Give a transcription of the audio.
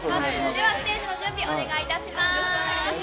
ではステージの準備、お願いいたします。